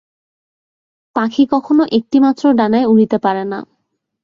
পাখি কখনও একটি মাত্র ডানায় উড়িতে পারে না।